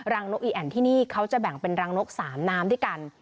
นกอีแอ่นที่นี่เขาจะแบ่งเป็นรังนก๓น้ำด้วยกัน